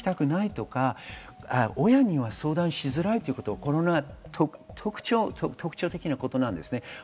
親には相談しづらいということは特徴的なことなんです。